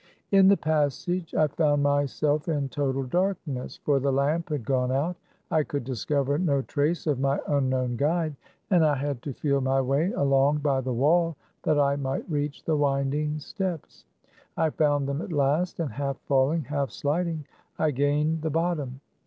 In the passage, I found myself in total dark ness ; for the lamp had gone out. I could dis cover no trace of my unknown guide, and I had THE CAB AVAN. 143 to feel my way along by the wall, that I might reach the winding steps. I found them at last, and half falling, half sliding, I gained the bot tom.